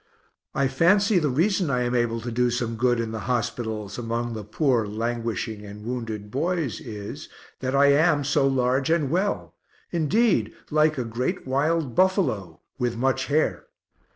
I fancy the reason I am able to do some good in the hospitals among the poor languishing and wounded boys, is, that I am so large and well indeed like a great wild buffalo, with much hair.